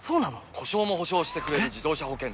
故障も補償してくれる自動車保険といえば？